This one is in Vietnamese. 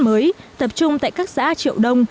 mới tập trung tại các xã triệu đông